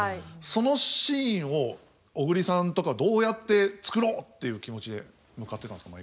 そのシーンを小栗さんとかはどうやって作ろうっていう気持ちで向かってたんですか？